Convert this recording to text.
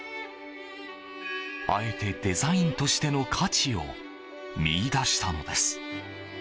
あえてデザインとしての価値を見いだしたのです。